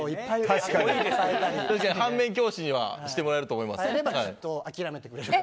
確かに反面教師にはしてもらえると思います。